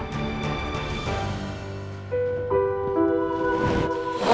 masih nangis aja